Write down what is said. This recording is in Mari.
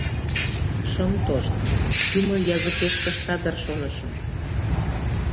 Шым тошт, юмо языкеш пышта дыр, шонышым.